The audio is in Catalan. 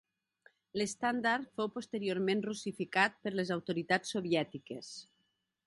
L'estàndard fou posteriorment russificat per les autoritats soviètiques.